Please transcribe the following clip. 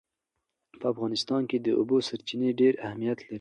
په افغانستان کې د اوبو سرچینې ډېر اهمیت لري.